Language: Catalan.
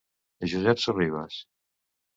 Josep Sorribes.